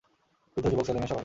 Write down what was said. বৃদ্ধ-যুবক, ছেলে-মেয়ে সবাই।